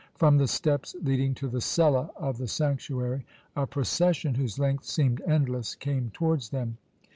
From the steps leading to the cella of the sanctuary a procession, whose length seemed endless, came towards them.